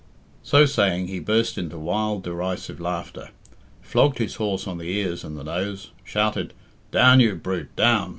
So saying, he burst into wild, derisive laughter, flogged his horse on the ears and the nose, shouted "Down, you brute, down!"